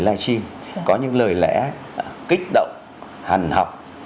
lại chìm có những lời lẽ kích động hằn học